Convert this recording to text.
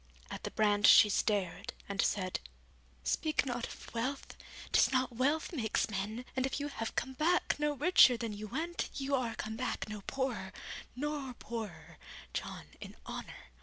At the brand she stared, and said, 'Speak not of wealth; 'tis not wealth makes men, and if you have come back no richer than you went, you are come back no poorer, nor poorer, John, in honour.